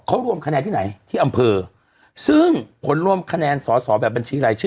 เขารวมคะแนนที่ไหนที่อำเภอซึ่งผลรวมคะแนนสอสอแบบบัญชีรายชื่อ